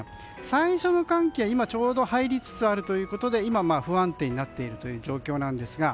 最初の寒気は、今ちょうど入りつつあるということで今、不安定になっている状況です。